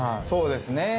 そうですね。